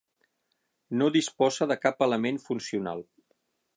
No disposa de cap element funcional.